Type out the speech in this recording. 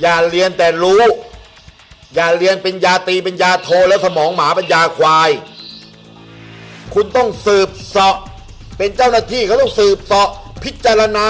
อย่าเรียนแต่รู้อย่าเรียนเป็นยาตีเป็นยาโทและสมองหมาปัญญาควายคุณต้องสืบเสาะเป็นเจ้าหน้าที่เขาต้องสืบเสาะพิจารณา